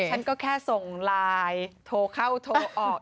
ฉันก็แค่ส่งไลน์โทรเข้าโทรออก